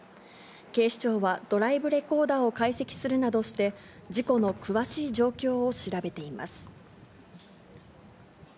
警視庁はドライブレコーダーを解析するなどして、事故の詳しい状あれ？